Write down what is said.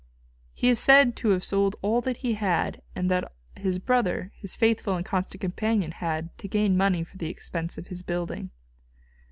He is said to have sold all that he had, and all that his brother, his faithful and constant companion, had, to gain money for the expense of his building.